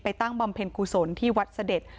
ไปตั้งบำเพลงกู้สนที่วัดเสด็จ